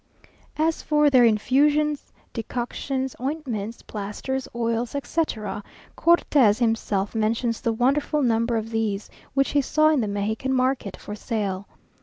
As for their infusions, decoctions, ointments, plasters, oils, etc., Cortés himself mentions the wonderful number of these which he saw in the Mexican market for sale.